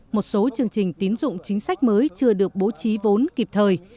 một số chương trình tín dụng chính sách mới chưa được bố trí vốn kịp thời